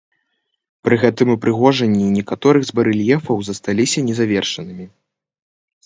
Пры гэтым ўпрыгожанні некаторых з барэльефаў засталіся незавершанымі.